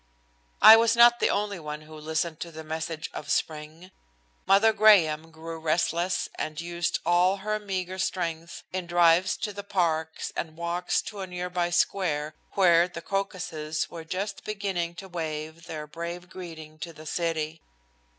I was not the only one who listened to the message of spring. Mother Graham grew restless and used all of her meagre strength in drives to the parks and walks to a nearby square where the crocuses were just beginning to wave their brave greeting to the city.